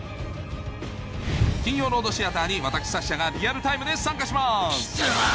金曜ロードシアターに私サッシャがリアルタイムで参加します来た！